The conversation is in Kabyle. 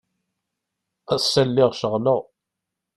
Ass-a lliɣ ceɣleɣ.